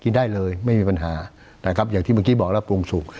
ได้เลยไม่มีปัญหานะครับอย่างที่เมื่อกี้บอกแล้วปรุงสุก